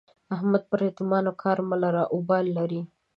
د احمد پر يتيمانو کار مه لره؛ اوبال لري.